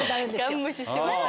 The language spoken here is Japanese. ガン無視しました。